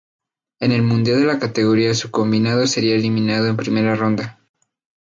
En el mundial de la categoría su combinado sería eliminado en primera ronda.